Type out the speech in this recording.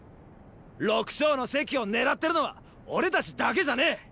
六将の席を狙ってるのは俺たちだけじゃねェ！